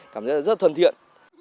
cảm thấy rất thân thiện